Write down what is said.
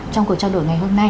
trong cuộc trao đổi ngày hôm nay